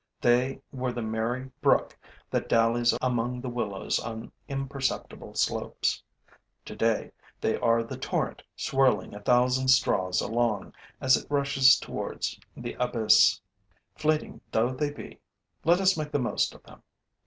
They were the merry brook that dallies among the willows on imperceptible slopes; today, they are the torrent swirling a thousand straws along, as it rushes towards the abyss. Fleeting though they be, let us make the most of them.